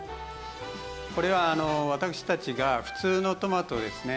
これは私たちが普通のトマトですね